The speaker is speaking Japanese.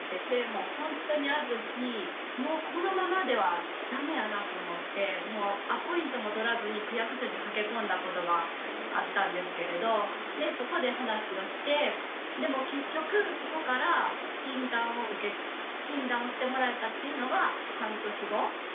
でもうほんとにある日「もうこのままでは駄目だな」と思ってアポイントも取らずに区役所に駆け込んだことがあったんですけれどでそこで話をしてでも結局そこから診断をしてもらえたというのは半年後。